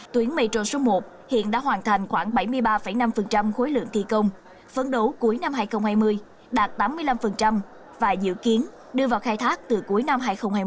tuyến metro số một hiện đã hoàn thành khoảng bảy mươi ba năm khối lượng thi công phấn đấu cuối năm hai nghìn hai mươi đạt tám mươi năm và dự kiến đưa vào khai thác từ cuối năm hai nghìn hai mươi một